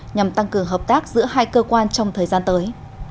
nhằm tăng cường hợp tác giữa hai cơ quan trong thời gian tới